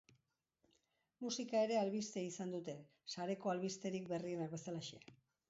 Musika ere albiste izan dute, sareko albisterik berrienak bezalaxe.